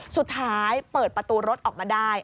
สุดท้ายเปิดประตูรถออกมาได้